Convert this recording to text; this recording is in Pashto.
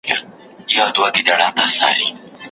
د ډیپلوماسۍ له لاري د خلګو حقوق نه ساتل کیږي.